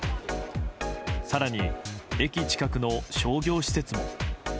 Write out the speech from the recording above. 更に、駅近くの商業施設も。